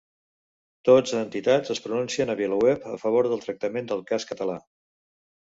Dotze entitats es pronuncien a VilaWeb a favor del tractament del cas català